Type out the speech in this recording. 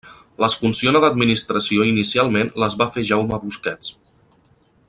Les funciona d'administració, inicialment les va fer Jaume Busquets.